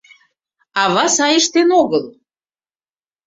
Ава сай ыштен огыл.